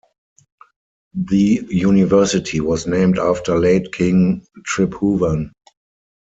The university was named after late King Tribhuvan.